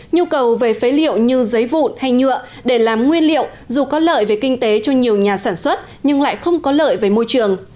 nhu cầu về phế liệu như giấy vụn hay nhựa để làm nguyên liệu dù có lợi về kinh tế cho nhiều nhà sản xuất nhưng lại không có lợi về môi trường